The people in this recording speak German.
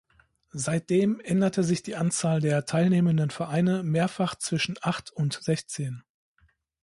Seitdem änderte sich die Anzahl der teilnehmenden Vereine mehrfach zwischen acht und sechzehn.